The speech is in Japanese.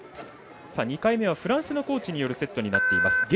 ２回目はフランスのコーチによるセットになっています。